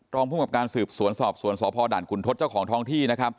รองผู้มีการสืบสวนสอบสวนสอพอด่านขุนทศเจ้าของท้องที่